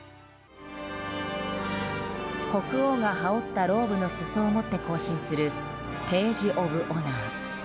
国王が羽織ったローブの裾を持って行進するページ・オブ・オナー。